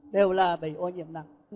đều là bị ô nhiệm nặng